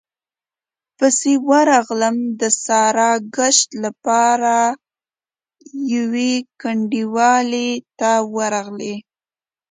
پسې ورغلم، د ساراګشت له پاره يوې کنډوالې ته ورغی،